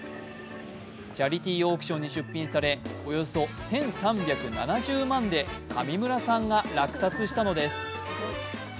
チャリティーオークションに出品されおよそ１３７０万で上村さんが落札したのです。